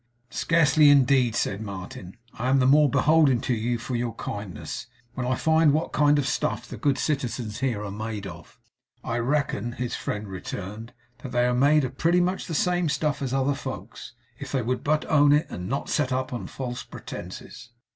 'Scarcely indeed,' said Martin. 'I am the more beholden to you for your kindness, when I find what kind of stuff the good citizens here are made of.' 'I reckon,' his friend returned, 'that they are made of pretty much the same stuff as other folks, if they would but own it, and not set up on false pretences.